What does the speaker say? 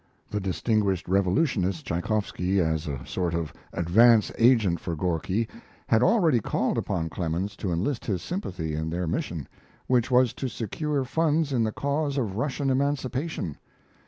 The distinguished revolutionist, Tchaykoffsky, as a sort of advance agent for Gorky, had already called upon Clemens to enlist his sympathy in their mission, which was to secure funds in the cause of Russian emancipation.